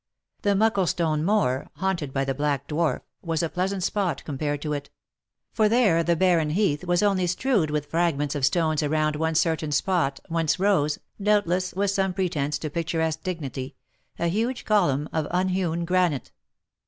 The " Mucklestone Moor," haunted by the black dwarf, was a plea sant spot compared to it; for there the barren heath was only strewed with fragments of stones around one certain spot whence rose, doubt less with some pretence to picturesque dignity, " a huge column of unhewn granite."